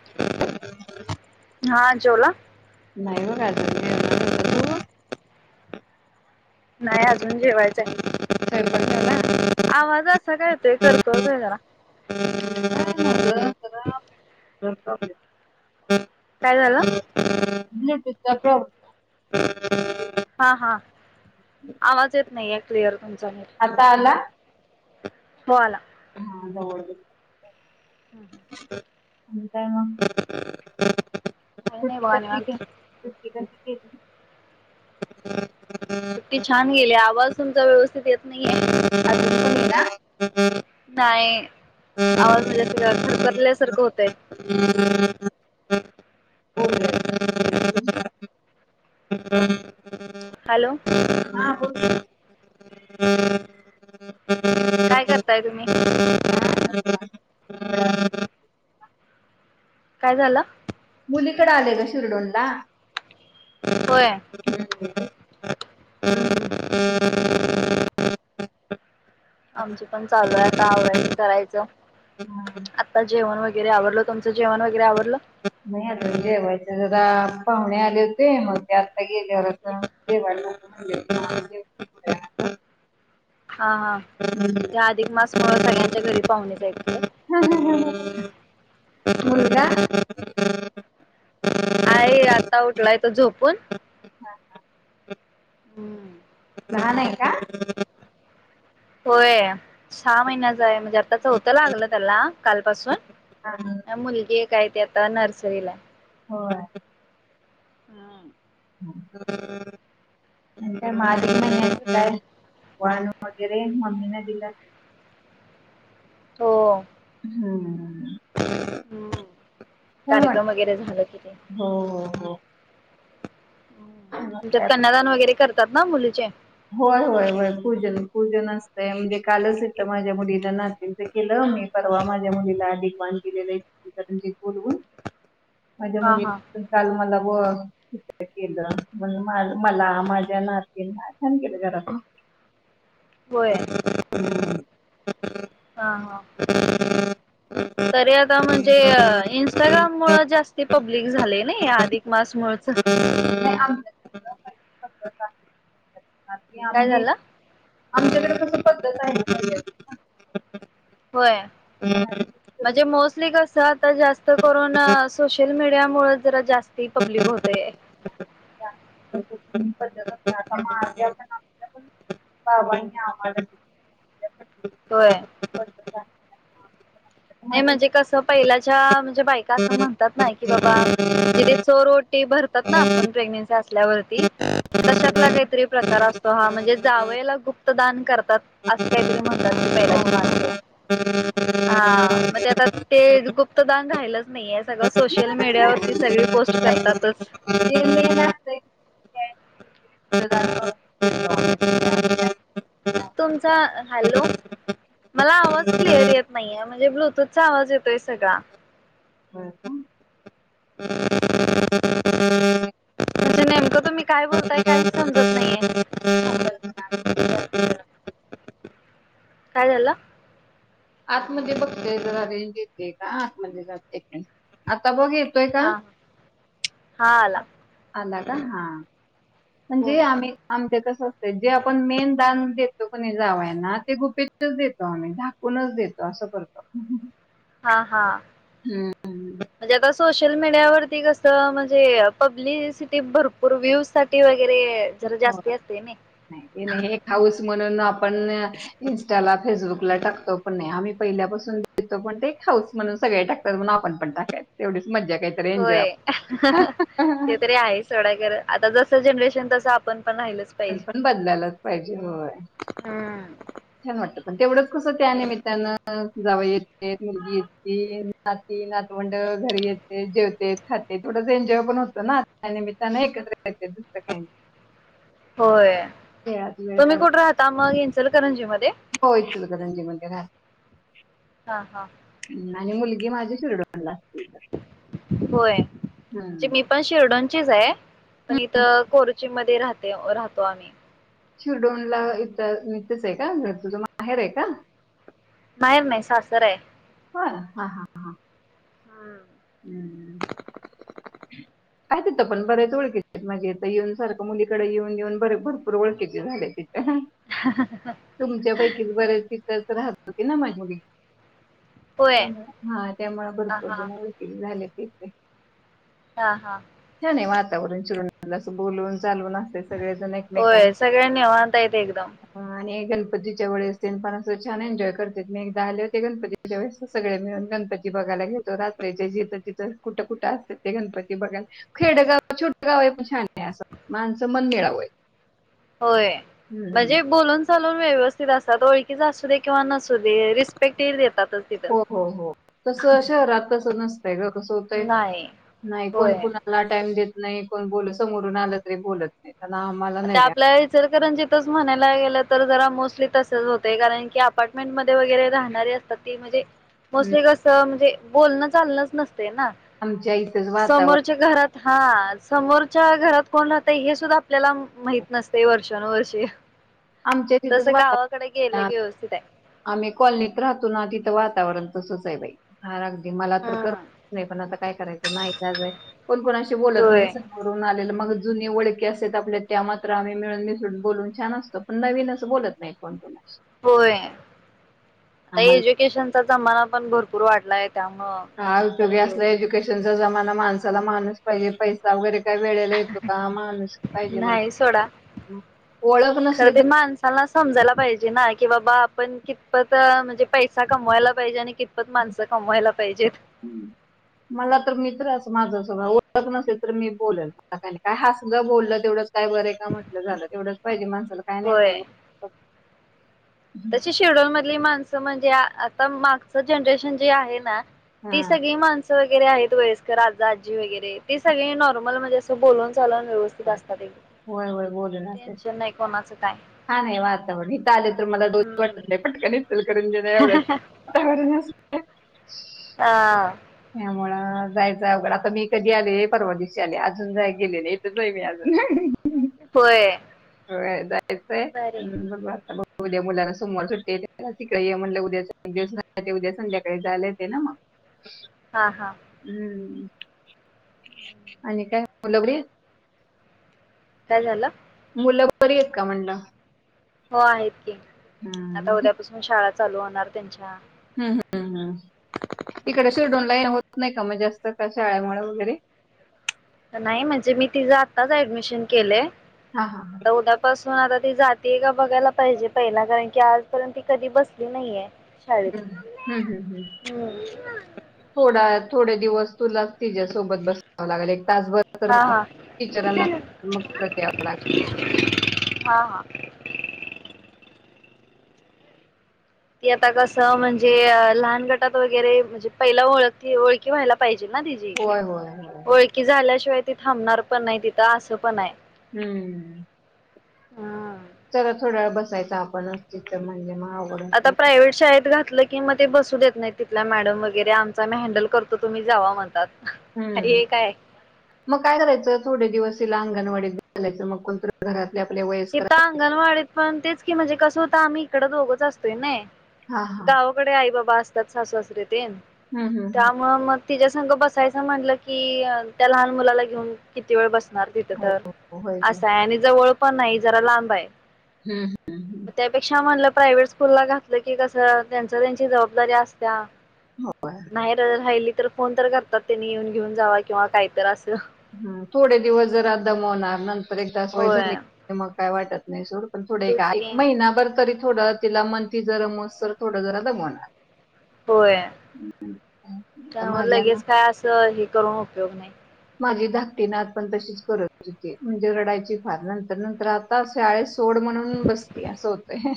ह [inaudible] हा जेवला? नाही [inaudible] बघ अजून जेवणार. होतं नाही अजून जेवायचंय. [inaudible] स्वयंपाक झाला. आवाज असा काय येतोय खरखरतोय जरा माझं जरा ह [inaudible] [unintelligible] काय झालं? प् [unintelligible] हा हा आवाज येत नाही आहे क्लिअर तुमचा म आता आला. हो आला. हा जवळ हां हां. आणि काय मग नाही बघा [unintelligible] निवांत [unintelligible] सुट्टी छान गेली. आवाज तुमचा व्यवस्थित येत नाहीये. अजून नाही आवाज म्हणजे अस खरखरल्यासारखं होत. [unintelligible] पण ये हॅलो. ना बोलूया. काय करताय तुम्ही? हा बोल काय झालं? पलीकडे आले ग शिरडोनला होय हम् -हम् आमचं पण चालू आहे आता आवरायचं करायचं हा. आता जेवण वगैरे आवरलं तुमचं जेवण वगैरे आवरलं? [inaudible] नाही [inaudible] जेवायचं जरा पाहुणे आले होते मग ते आत्ता गेल्यावर जेवायचं [unintelligible] हा हा [unintelligible] अधिक मास मुळ सगळ्यांच्या घरी पाहुणेचं आहेत खरं वेळाने. [unintelligible] आहे आता उठलाय तो झोपून हम्म लहान आहे का? होय सहा महिन्याच आहे म्हणजे आताच चवथ लागलं त्याला कालपासून आणि ह मुलगी एक आहे ती आता नर्सरीला हो हम् [unintelligible] [unintelligible] वाण वगैरे मम्मीने ना दिला हो हम्म हम्म छान वाटत. कार्यक्रम वगैरे झाल किनी हो हो हो आमच्यात कन्यादान वगैरे करतात ना मुलीचे होय होय होय पूजन पूजन असतय म्हणजे कालच इथं माझ्या मुलीला ना तर केलं आम्ही परवा माझ्या मुलीला अधिक वान दिलेलं इचलकरंजीत बोलवून माझ्या हा मुली हा काल मला केलं म मला माझ्या नातींना छान केलं घरातून होय ह [unintelligible] [unintelligible] हा हा तरी यंदा म्हणजे इंस्टाग्राम मुळ जास्ती पब्लिक झाले नाही. अधिक मास मुळचं नाही आमच्या पद्धत आहे. काय आम्ही झालं. आमच्याकडे [unintelligible] होय. ह. म्हणजे मोस्टली कसं आता जास्त करून सोशल मीडिया मुळे जरा जास्ती पब्लिक होते. पता म [unintelligible] बावा आवा [inaudible] होय. नाही म्हणजे कसं पहिल्याच्या म्हणजे बायका असं म्हणतात. नाही. कि बाबा जिथे चोर ओटी भरतात. ना आपण प्रेग्नेन्सी असल्यावरती तश्यातला काहीतरी प्रकार असतो हा म्हणजे जावयाला गुप्तदान करतात. असं काहीतरी म्हणतात कि पहिले जी माणसं. ह हा मग ते आता ते गुप्त दान राहालंच नाही. नाही सगळं सोशल मीडियावरती सगळी पोस्ट करतातच. तुमचा हॅलो. मला आवाज क्लिअर येत नाहीये म्हणजे ब्लूटूथचा आवाज येतोय सगळा [unintelligible] म्हणजे नेमकं तुम्ही काय बोलताय काहीच समजत नाहीये. हम. काय झालं. आत मध्ये बघतेय जरा रेंज येते का आात मध्ये जात आता बघ. श्वेता हा हा आला का आला का हा. हो म्हणजे हो आम्ही आमच्या कसं असतं जे आपण मेन दान देतो कोणी जावयांना ते गुपित. देतो आम्ही झाकूनचं देतो असं करतो. हा. हा. हम्. म्हणजे आता सोशल मीडियावररती कसं. म्हणजे पब्लिसिटी भरपूर व्ह्यूज साठी वगैरे. जरा हो जास्ती असते ना नाही हे हाऊ [inaudible] स म्हणून आपण इन्स्टॉला फेसबुकला टाकतो पण नाही. आम्ही पहिल्यापासून देतो पण ते एक हाऊस म्हणून सगळे टाकतो. करून आपणं टाकायचं तेवढीचं मजा काय? होय ते तरी आहेचं. सय [inaudible] आता जसं जनरेशन तसं आपण पण राहिलच. पण पाहिजे. पण बदलायलाचं पाहिजे होय. हम्म छान वाटतं पण तेवढंच कसं त्या निमित्तानं. जावई येति मुलगी येतिनं नाती नातवंड घरी येतलं. ते जेवते खाते थोडसं एन्जॉय पण होतो ना त्या निमित्तानं एकत्र येते. दुसरं काही होय खेळात वेळ तुम्ही काढून कुठे राहता मग येचल करंजी मध्ये हो इंचलकरंजी मध्ये राहता. हा. हा. आणि मुलगी माझी शिरोडा ला होय मी पण शिर्डोनचीच आहे पण इथं खोर्ची मध्ये राहत. ते राहतो आम्ही शिरडोणला इथंच का तुझे माहेर एका आहे का? माहेर नाही सासर आहे. हो हा. हा. हं. हम्म. काय तिथं पण बरेच ओळख आहेत मागे येऊन सारखं मुलीकडे येऊन येऊन बर भरपूर ओळख झाले तिथ. ह. तुमच्यापैकी बरेच तथच राहत होते ना माझी होय त्यामु हा त्यामु ह भरपूर हा जण वळकिली झाले ते हा हा. हछ नाही वातावरण चिरून असं बोलवून चालवून अस. होय सगळ्यांनी आव्हता येते एकदम आणि गणपती च्या वेळेस स पण अस छान एन्जॉय करत मी एकदा आले होते गणपती सगळे मिळून गणपती बघायला घेतो रात्री ज जिथं तिथं कुठं कुठं असत ते गणपती बघा खेडगाव छोटं गाव आहे पण छान आहे असं माणसं मन मिळावंय. होय म्हणजे बोलून चलून व्यवस्थित असतात ओळखीच असू दे किंवा नसू दे रिस्पेक्ट ये देतात. हो हो हो तसं शहरात तसं नसतय ग कसं होतय नाही नाही होय. कोणकण मला टाइम देत नाही कोण बोल समोरून आलं तरी बोलत नाही. आ आमला आता आपल्या सर कारण जिथंच म्हणायला गेलं तर जरा मोस्टली तसंच होतं कारण की अपार्टमेंटमध्ये वगैरे राहणारी अस ते म्हणजे मोस्टली कसं म्हणजे बोलणं चाललंच नसते ना आमच्या इथंच वातावरण समोरच्या घरात. हा समोरच्या घरात कोण राहतयं हे सुद्धा आपल्याला माहितं नसते वर्ष नव [inaudible] र्षी आमच्या तस तिथंच वातावरण गावाकडे गेले व्यवस्थित आहे आम्ही कॉलनीत राहतो ना तिथं वातावरण तसंच आहे बाई हा अगदी मला तर करत हम्म नाही. पण आता काय करायचं नाही लाज आहे कोण कोणाशी बोलत होय नाही. करून आलेलं मग जुने वओळखी असत आपल्या त्या मात्र आम्ही मिळून मिसळून बोलून छान असतो पण नवीन असं बोलत नाही कोण कोणा होय आता आम्हाला एज्युकेशनचा जमाना पण भरपूर वाढलाय त्यामुळ हा उद्योगी असल्या एज्युकेशनचा जमाना माणसाला माणूस पाजे पैसा वगैरे का वेळेला येतो का माणस की पाहिजेण नाही सोडा ओळख खरं नसली ते त माणसाला समजायला पाहिजे ना की बाबा आपण कितपत म्हणजे पैसा कमवायला पाहिजे आणि माणसं कमवायला पाहिजेत हम्म मला तर मित्रच माझं सगळं ओळत नसेल तर मी बोलेल काय हसलंं बोललं तेवढंच काय बरंय का म्हटलं झालं तेवढंच पाहिजे माणसाला काय नाहीतय होय तशी शेड्युल मधली माणसं म्हणजे आता मागच जनरेशन जे आहे ना तेी हा सगळी माणस वगैरे आहेत वयस्कर आज आजी वगरे ते सगळे नॉर्मल म्हणजे असं बोलून चाून व्य होय. तात होय टेन्शन नाही कोणाचं काय हा नाही वातावरण इथं आले तर मला दोन वाट हम्म फटका दिसेल करून घे नाही एवढ्याच [inaudible] हा यामु जायचय अवघड आता मी कधी आले परवा दिशी आले अजून जाय गेलेले इथचई मी अजून होय हो जायचंय बरे आता ब उद्या मुलांना सोमवार सुटते त्या तिकडे म्हणलं उद्या दि उद्या संध्याकाळी झालं ते ना मग ह हा हा हम्म आणि काय लगड काय झालं मुलं बरी आहेत का म्हणलं हो आहेत की हा आता उद्यापासून शाळा चालू होणार त्यांच्या हम्म हम्मम् इकडेशीर दोन लाईन होत नाही का मग जास्त कश आळमळ वगैरे नाही म्हणजे मी तिझं आत्ताच ऍडमिशन केलंय हा हा ह आता उद्यापासून आता ती जातीय का बघायला पाहिजे पहिला कारण की आजपर्यंत ती कधी बसली नाहीये शाळेत हम्म हम्म हम्म हम्म. मम्मी हम्म थोडा थोडे दिवस तुला तिच्या सोबत बसव लागेल एक तासभर हा [unintelligible] हा टीचरांना मग ते आपल ऐकता हा हा ती आता कसं म्हणजेअ लहान गटात वगैरे म्हणजे पहिला ओळख ओळखी व्हायला पाहिजे ना तिची होय होय ओळखी झाल्याशिवाय ती थांबणार पण नाही तिथं असं पण आहे हम्म हम्म चला थोड्या वेळ बसायं आपण अस तर म्हण मग अवघडच आता नाही प्रायव्हेट शाळेत घातलं कि मग ते बसू देत नाही तिथला मॅडम वगैरे आमचा मी हँडल करतो तुम्ही जावा म्हणतात हम्म हे काय मग काय करायचं थोडे दिवस तिला अंगणवाडीत घलायचं मग कोणत घरातले आपले वय हे तर अंगणवाडीत पण तेच की म्हणजे कसं होत आम्ही इकड दोघंच असतोय नाही हा हा गाव तिकडे आई बाबा असतात सासूा सासरे तेन हम् हम ह मग मग तिच्यासग बसायचं म्हटलं की त्या लहान मुलाला घेऊन किती वेळ बसणार तिथं तर होय की असा आहे आणि जवळ पण नाही जरा लांब आहे हम्म हम् त्यापेक्षा म्हणलं प्रायव्हेट स्कूल ला घातलं की कसं त्यांच त्यांची जबाबदारी असत्या हो. नाही र राहिली तर फोन तर करतात त्यांनी येऊन घेऊन जावा किंवा काही तर असं ह थोडे दिवस जरा दमवणार नंतर एकदा अस वय झाली होय. मग काय वाटत नाही सुर पण थोडे तेच की महिनाभर तरी थोडं तिला मंथली जरमस तर थोडं जरा दमवणार होय आता त्यामुळे माझ्या लगेच काय असं हे करून उपयोग नाही माझी धाकटीनात पण तशीच करत होती म्हणजे रडायची फार नंतर नंतर राहात आता शाळेत सोड म्हणून बसतीया असं होत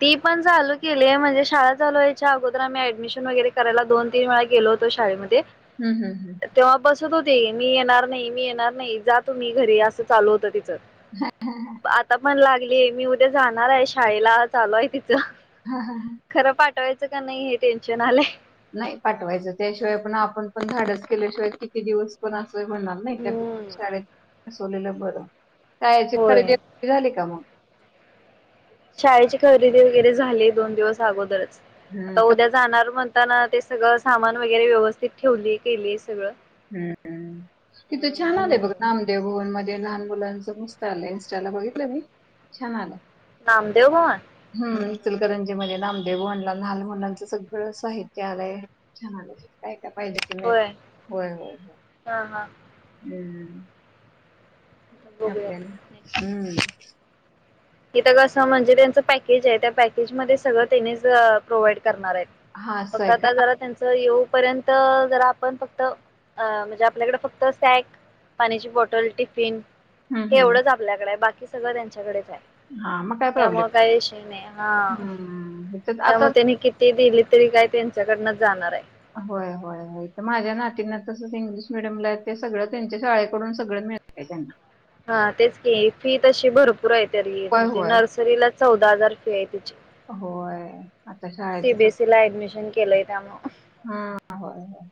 ती पण चालू केलीये म्हणजे शाळा चालवायच्या अगोदर आम्ही ऍडमिशन वगैरे करायला दोन तीन वेळा गेलोत तो शाळेमध्ये हम् हम हम तेव्हा बसत होती मी येणार नाही मी येणार नाही जा तुम्ही घरी असं चालू होतं तिचं हा हा ह आता पण लागली मी उद्या जाणार आहे शाळेला चालू आहे तिचं हा हा हा खरं पाठवायचं का नाही हे टेन्शन आले नाही पाठवायचं त्याशिवाय पण आपण पण धडच केल्याशिवाय किती दिवस पण असं म्हणणार नाही का हम्म शाळेत बसवलेलं बरं शाळेची खरेदी होय सुट्टी झाली का मग शाळेची खरेदी वगैरे झाली दोन दिवस अगोदरच हम्म, आता उद्या जाणार म्हणताना ते सगळं सामान वगैरे व्यवस्थित ठेवली केली सगळं हम्मम तिथं छान आलंय हम्म बघ नामदेव भवन मध्ये लहान मुलांच मस्त आलं इनस्टाला बघितलं मी छान आलं नामदेव भवन हम् चुलकरंजी मध्ये नामदेव भवनला लहान मुलांचं सगळं साहित्य आलंय छान आलं काय काय पाहिजे त नाही होय होय होय हा हा हम्म बघूयात आपल्याला हम्म तिथ कसं म्हणजे त्यांचं पॅकेज आहे त्या पॅकेज मध्ये सगळं त्यांनीच प्रोवा्हाइड करणार आहेत हा असं फक्त आहे का आता जरा त्यांचा येऊपर्यंत जरा आपण फक्त अ म्हणजे आपल्याकडे फक्त सॅक पाण्याची बॉटल टिफिन हे हम्म हम्म एवढंच आपल्याकडे आहे बाकी सगळं त्यांच्याकडेच आहे हा मग काय त्यामु प्रॉब्लेम काहीश नाही हा हम्म इथं त्यामुळे आता त्यानी किती ते दिले तरी काय त्यांच्याकडनं जाणार आहे होय होय होय तर माझ्या नातींना तसंच इंग्लिश मिडियम ला आहे ते सगळं त्यांच्या शाळेकडून सगळं मिळ काच ना हा तेच की फी तशी भरपूर आहे तरी होय म्हणजे होय नर्सरीला चौदा हजार फी आहे तिची होय आता शाळेचं सगळं सीबीएसईला अॲडमिशन केलं होताम हा हो होय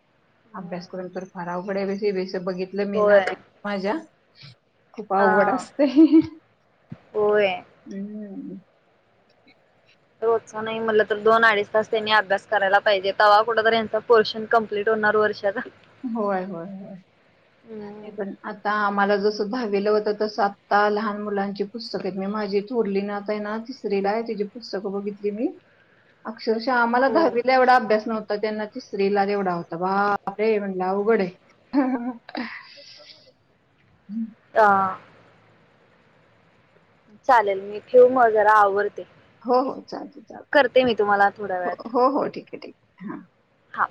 अभ्यास करून तर फार अवघडे बेस बघितलं मी ना ते होय माझ्या खूप आवड हा असते हम् होय. रोज नाही म्हटलं तर दोन अडीच तास त्यांनी अभ्यास करायला पाहिजे तेव्हा कुठ यांचा पोर्शन कम्प्लीट लय दोन वर्षाचा होय होय होय हम्म नाही पण आता आम्हाला जसं दहावीला होतं तस आत्ता लहान मुलांची पुस्तक आहेत मी माझी थोरली नाताय ना तिसरी ला आहे तची पुस्तकं बघितली मी अक्षरशः आम्हाला हम्म दहावीला एवढा अभ्यास नव्हता त्यांना त स्त्रीला तेवढा होता बा रे म्हणलं उघडे हम्म ह चालेल मी ठेऊ म जरा आवडते हो हो चालते चाल थोड्या हो वेळात हो हो ठीक आहे ठीक हा हा.